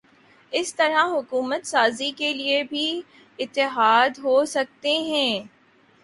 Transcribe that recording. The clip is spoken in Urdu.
اسی طرح حکومت سازی کے لیے بھی اتحاد ہو سکتے ہیں۔